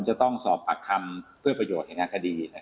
จะต้องสอบปากคำเพื่อประโยชน์แห่งทางคดี